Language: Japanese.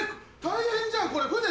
大変じゃんこれ船。